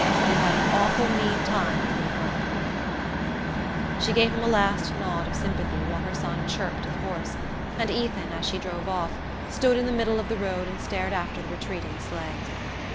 You've had an awful mean time, Ethan Frome." She gave him a last nod of sympathy while her son chirped to the horse; and Ethan, as she drove off, stood in the middle of the road and stared after the retreating sleigh.